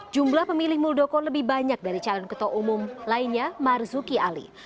jumlah pemilih muldoko lebih banyak dari calon ketua umum lainnya marzuki ali